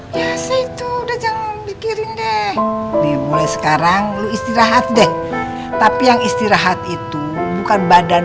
biasa itu udah jangan mikirin deh mulai sekarang lu istirahat deh tapi yang istirahat itu bukan badan